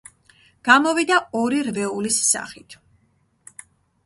გამოვიდა ორი რვეულის სახით.